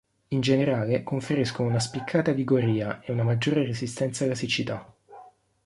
In generale conferiscono una spiccata vigoria e una maggiore resistenza alla siccità.